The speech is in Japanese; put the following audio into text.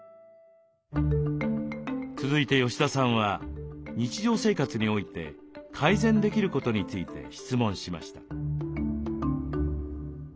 続いて吉田さんは日常生活において改善できることについて質問しました。